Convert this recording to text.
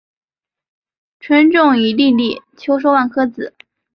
春种一粒粟，秋收万颗子。